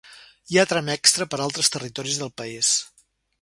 Hi ha tram extra per altres territoris del país.